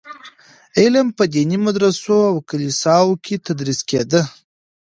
علم په ديني مدرسو او کليساوو کي تدريس کيده.